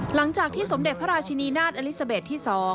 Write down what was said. หลังจากที่สมเด็จพระราชินีนาฏอลิซาเบสที่๒